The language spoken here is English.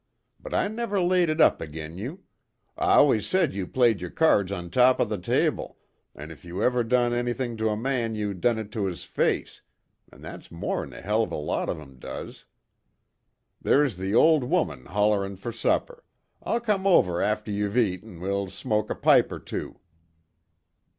But, I never laid it up agin you. I allus said you played yer cards on top of the table an' if you ever done anything to a man you done it to his face an' that's more'n a hell of a lot of 'em does. There's the old woman hollerin' fer supper. I'll come over after you've et, an' we'll smoke a pipe 'er two."